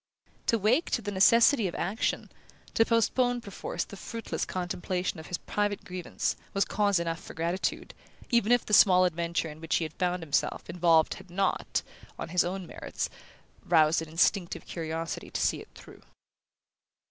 To wake to the necessity of action, to postpone perforce the fruitless contemplation of his private grievance, was cause enough for gratitude, even if the small adventure in which he found himself involved had not, on its own merits, roused an instinctive curiosity to see it through.